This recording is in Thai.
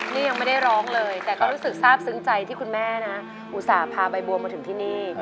นี่ยังไม่ได้ร้องเลยแต่ก็รู้สึกทราบซึ้งใจที่คุณแม่นะอุตส่าห์พาใบบัวมาถึงที่นี่